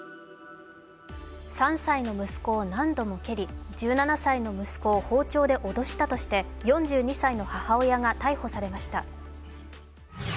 ３歳の息子を何度も蹴り、１７歳の息子を包丁で脅したとして４２歳の母親が逮捕されました。